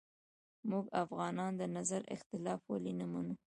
موږ افغانان د نظر اختلاف ولې نه منو